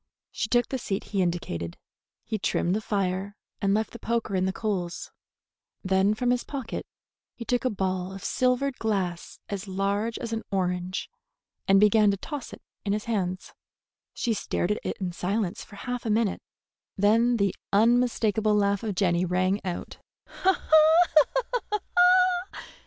She took the seat he indicated. He trimmed the fire and left the poker in the coals. Then from his pocket he took a ball of silvered glass as large as an orange, and began to toss it in his hands. She stared at it in silence for half a minute. Then the unmistakable laugh of Jenny rang out.